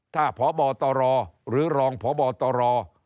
ถ้าพบตรหรือรองพบตร